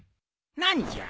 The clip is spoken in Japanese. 何じゃ？